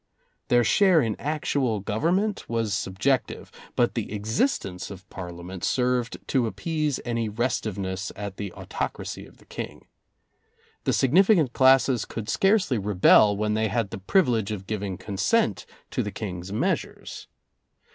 Their share in actual government was subjective, but the existence of Parliament served to appease any restiveness at the autocracy of the King. The significant classes could scarcely rebel when they had the privilege of giving consent to the King's measures.